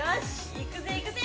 行くぜ行くぜ！